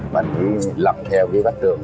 mình đi lặp theo cái bắt trường